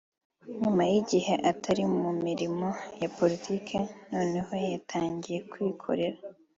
nyuma y’igihe atari mu mirimo ya Politiki noneho yatangiye kwikorera